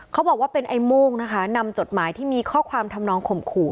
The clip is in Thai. เขาบอกว่าเป็นไอ้โม่งนะคะนำจดหมายที่มีข้อความทำนองข่มขู่